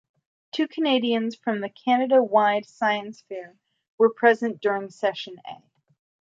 Two Canadians from the Canada Wide Science Fair were present during Session A.